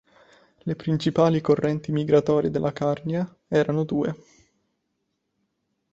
Le principali correnti migratorie dalla Carnia erano due.